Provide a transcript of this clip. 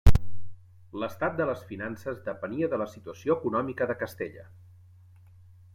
L'estat de les finances depenia de la situació econòmica de Castella.